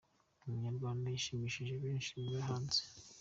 umunyarwanda yashimishije benshi baba hanze